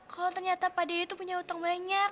kalau ternyata pak dayu tuh punya utang banyak